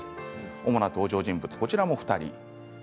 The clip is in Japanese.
主な登場人物、こちらも２人。